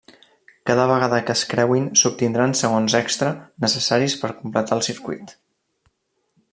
Cada vegada que es creuin, s'obtindran segons extra, necessaris per completar el circuit.